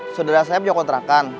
saudara saya punya kontrakan